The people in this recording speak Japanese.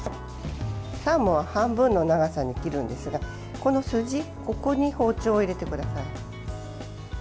サーモンは半分の長さに切るんですが筋に包丁を入れてください。